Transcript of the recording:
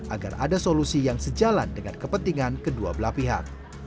agar ada solusi yang sejalan dengan kepentingan kedua belah pihak